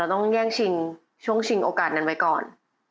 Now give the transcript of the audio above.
ต้องแย่งชิงช่วงชิงโอกาสนั้นไว้ก่อน